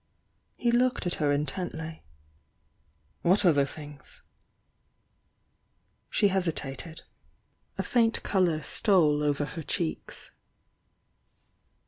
He looked at her intentl". "What other things?" She hesitated. A faint colour stole over her cheeks.